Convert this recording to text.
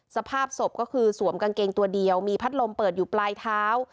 สภาพศพก็คือสวมกางเกงตัวเดียวมีพัดลมเปิดอยู่ปลายเท้า